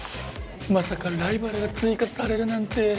まさかライバルが追加されるなんて。